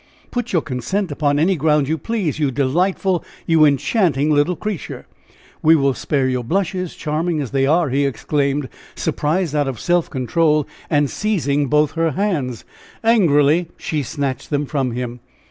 "Put your consent upon any ground you please, you delightful, you enchanting little creature. We will spare your blushes, charming as they are!" he exclaimed, surprised out of self control and seizing both her hands. Angrily she snatched them from him.